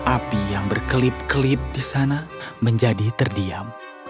api yang berkelip kelip di sana menjadi terdiam